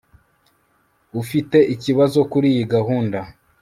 ufite ikibazo kuriyi gahunda